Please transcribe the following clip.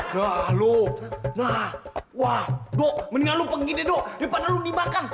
nah lo nah wah mendingan lu pergi deh dodo daripada lu dibakang